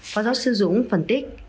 phó giáo sư dũng phân tích